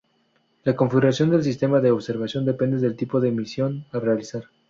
La configuración del sistema de observación depende del tipo de misión a realizar.